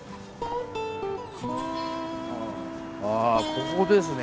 あここですね。